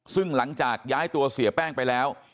ซึ่งหลังจากย้ายตัวเสียแป้งไปแล้ว